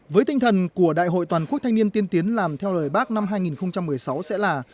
với tinh thần của đại hội toàn quốc thanh niên tiên tiến làm theo lời bác năm hai nghìn một mươi sáu sẽ là